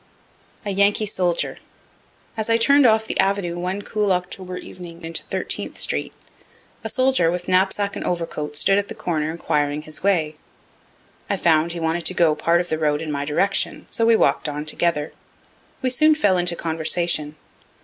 A YANKEE SOLDIER As I turn'd off the Avenue one cool October evening into Thirteenth street, a soldier with knapsack and overcoat stood at the corner inquiring his way. I found he wanted to go part of the road in my direction, so we walk'd on together. We soon fell into conversation.